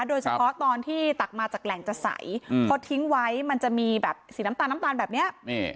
โดยเฉพาะตอนที่ตักมาจากแหล่งจะใสพอทิ้งไว้มันจะมีแบบสีน้ำตาลน้ำตาลแบบนี้